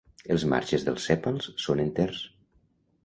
Els marges dels sèpals són enters.